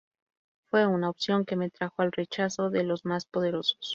Fue una opción que me trajo el rechazo de los más poderosos.